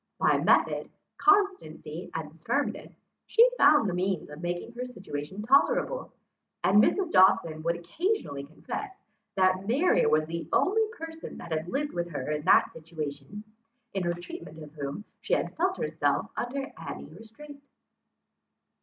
By method, constancy and firmness, she found the means of making her situation tolerable; and Mrs. Dawson would occasionally confess, that Mary was the only person that had lived with her in that situation, in her treatment of whom she had felt herself under any restraint.